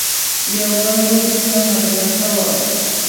يوه لور ته مدرسه وه.